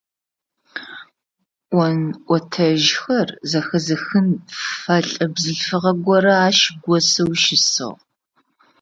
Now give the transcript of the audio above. Ӏон-ӏотэжьхэр зэхэзыхын фэлӏэ бзылъфыгъэ горэ ащ госэу щысыгъ.